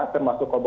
termasuk covid nya